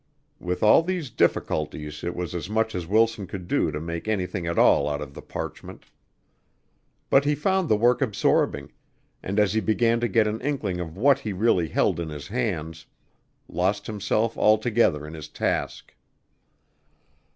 With all these difficulties it was as much as Wilson could do to make anything at all out of the parchment. But he found the work absorbing, and as he began to get an inkling of what he really held in his hands, lost himself altogether in his task.